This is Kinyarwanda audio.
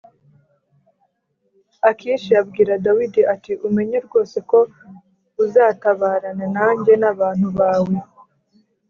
akishi abwira dawidi ati “umenye rwose ko uzatabarana nanjye n’abantu bawe